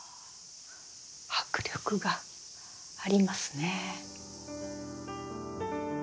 迫力がありますね。